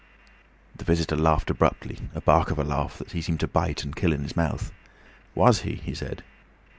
The visitor laughed abruptly, a bark of a laugh that he seemed to bite and kill in his mouth. "Was he?" he said.